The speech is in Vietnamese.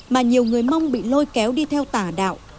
mà nhiều người mong bị lôi kéo đi theo tà đạo